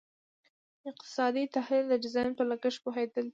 اقتصادي تحلیل د ډیزاین په لګښت پوهیدل دي.